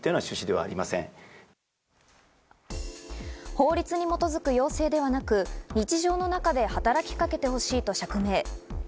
法律に基づく要請ではなく、日常の中で働きかけてほしいと釈明。